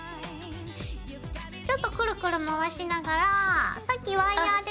ちょっとくるくる回しながらさっきワイヤーで。